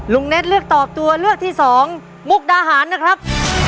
เน็ตเลือกตอบตัวเลือกที่สองมุกดาหารนะครับ